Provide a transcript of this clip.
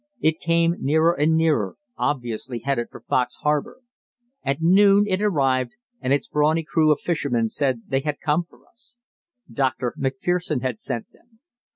It came nearer and nearer, obviously headed for Fox Harbour. At noon it arrived, and its brawny crew of fishermen said they had come for us. Dr. Macpherson had sent them.